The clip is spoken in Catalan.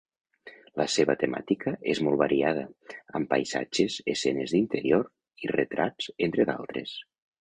La seva temàtica és molt variada, amb paisatges, escenes d'interior, i retrats, entre d'altres.